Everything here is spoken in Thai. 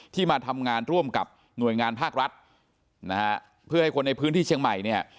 มาทำงานร่วมกับหน่วยงานภาครัฐนะฮะเพื่อให้คนในพื้นที่เชียงใหม่เนี่ย